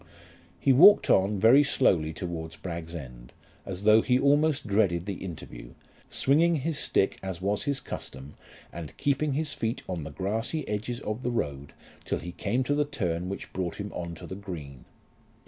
He walked on very slowly towards Bragg's End, as though he almost dreaded the interview, swinging his stick as was his custom, and keeping his feet on the grassy edges of the road till he came to the turn which brought him on to the green.